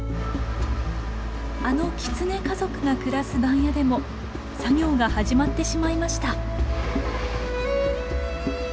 あのキツネ家族が暮らす番屋でも作業が始まってしまいました。